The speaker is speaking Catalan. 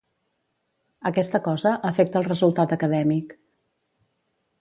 Aquesta cosa afecta el resultat acadèmic.